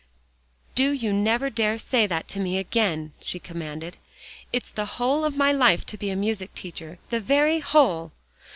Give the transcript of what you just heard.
"Do you never dare say that to me again," she commanded; "it's the whole of my life to be a music teacher the very whole."